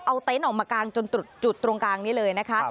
เอาเต็นต์ออกมากางจนจุดตรงกลางนี้เลยนะคะ